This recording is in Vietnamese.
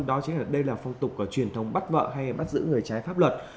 đó chính là đây là phong tục truyền thống bắt vợ hay bắt giữ người trái pháp luật